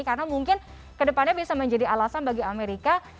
karena mungkin ke depannya bisa menjadi alasan bagi amerika